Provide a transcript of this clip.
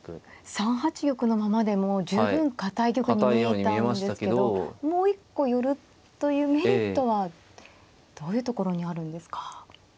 ３八玉のままでも十分堅い玉に見えたんですけどもう一個寄るというメリットはどういうところにあるんですか。